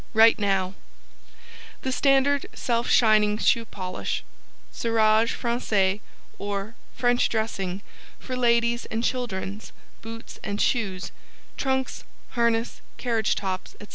WRITE NOW THE STANDARD SELF SHINING SHOE POLISH Cirage Francais Or French Dressing For Ladies and Children's Boots & Shoes Trunks, Harness, Carriage Tops, &c.